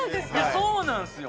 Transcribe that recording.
そうなんですよ